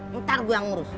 ntar gue yang ngurus